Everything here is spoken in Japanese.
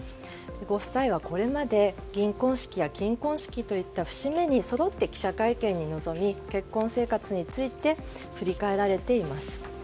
ご夫妻は、これまで銀婚式や金婚式といった節目にそろって記者会見に臨み結婚生活について振り返られています。